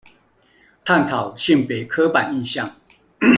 探討性別刻板印象